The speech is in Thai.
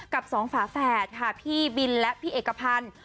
กับสองฝาแฝดค่ะพี่บินและพี่เอกพันธ์